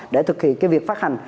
để thực hiện cái việc phát hành